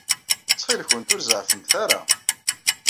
Ttxil-kent, ur zeɛɛfemt ara.